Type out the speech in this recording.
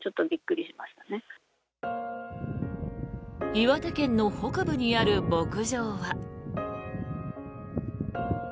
岩手県の北部にある牧場は。